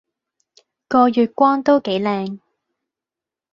個月光都幾靚